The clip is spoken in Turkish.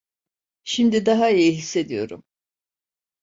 Şimdi daha iyi hissediyorum.